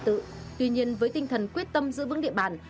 tuy nhiên với tinh thần quyết tâm giữ vững địa bàn